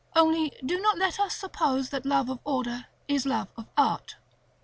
Only do not let us suppose that love of order is love of art.